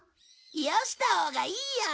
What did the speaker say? よしたほうがいいよ。